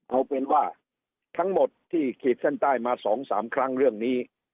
เอาเป็นว่าทั้งหมดที่ขีดเส้นใต้มา๒๓ครั้งเรื่องนี้